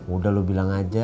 udah lo bilang aja